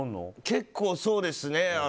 結構、そうですね。